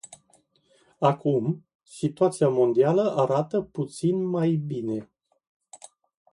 Acum, situația mondială arată puțin mai bine.